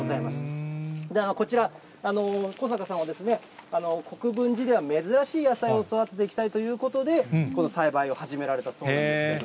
こちら、小坂さんは、国分寺では珍しい野菜を育てていきたいということで、この栽培を始められたそうなんですけど。